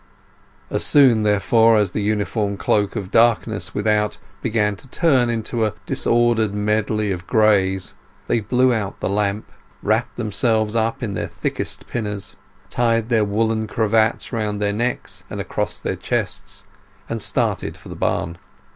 As soon, therefore, as the uniform cloak of darkness without began to turn to a disordered medley of grays, they blew out the lamp, wrapped themselves up in their thickest pinners, tied their woollen cravats round their necks and across their chests, and started for the barn.